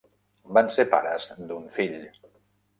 Van ser pares d'un fill.